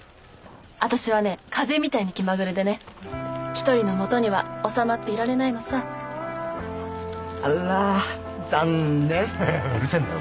あたしはね風みたいに気まぐれでね１人のもとには収まっていられないのさあら残念ヘヘッうるせぇんだよ